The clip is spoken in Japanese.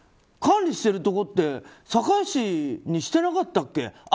管理してるところって堺市にしてなかったっけ？